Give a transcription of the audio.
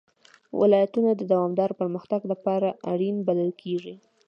ولایتونه د دوامداره پرمختګ لپاره اړین بلل کېږي.